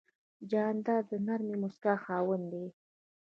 جانداد د نرمې موسکا خاوند دی.